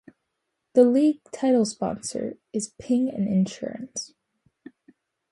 The league title sponsor is Ping An Insurance.